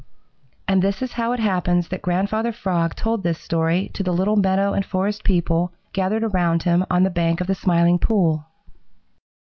And this is how it happens that Grandfather Frog told this story to the little meadow and forest people gathered around him on the bank of the Smiling Pool.